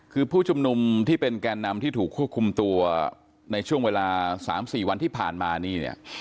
คือผู้ชุมนุมที่เป็นแกนนำที่ถูกควบคุมตัวในช่วงเวลา๓๔วันที่ผ่านมานี่เนี่ย